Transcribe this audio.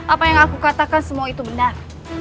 apa yang aku katakan semua itu benar